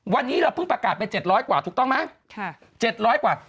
วันนี้เราเพิ่งประกาศเป็นเจ็ดร้อยกว่าถูกต้องไหมค่ะเจ็ดร้อยกว่า